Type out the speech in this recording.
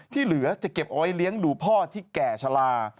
ที่เหลือจะเก็บเอาไว้เลี้ยงดูพ่อที่แก่ชะลา